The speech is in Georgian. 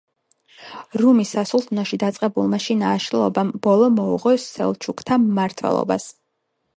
რუმის სასულთნოში დაწყებულმა შინა აშლილობამ ბოლო მოუღო სელჩუკთა მმართველობას.